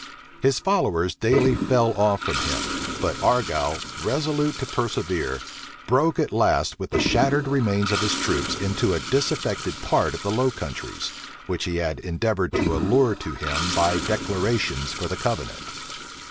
His followers daily fell off from him; but Argyle, resolute to persevere, broke at last with the shattered remains of his troops into the disaffected part of the low countries, which he had endeavored to allure to him by declarations for the covenant.